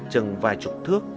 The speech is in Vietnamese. trừng vài chục thước